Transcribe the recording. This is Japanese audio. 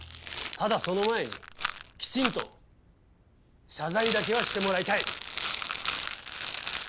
ただその前にきちんと謝罪だけはしてもらいたい！